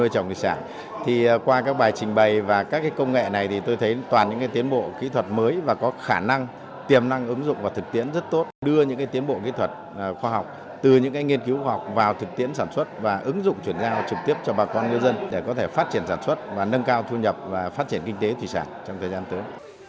chuyển giao trực tiếp cho bà con người dân để có thể phát triển sản xuất và nâng cao thu nhập và phát triển kinh tế thủy sản trong thời gian tới